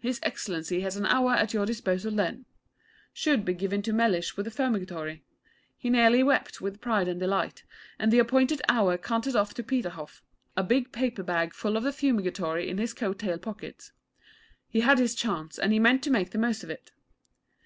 His Excellency has an hour at your disposal then, should be given to Mellish with the Fumigatory. He nearly wept with pride and delight, and at the appointed hour cantered to Peterhoff, a big paper bag full of the Fumigatory in his coat tail pockets. He had his chance, and he meant to make the most of it.